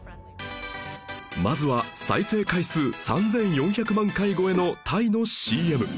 まずは再生回数３４００万回超えのタイの ＣＭ